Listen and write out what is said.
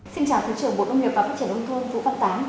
xin chào thứ trưởng bộ nông nghiệp và phát triển nông thôn vũ văn tám